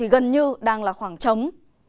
gần như đang là khoảng trống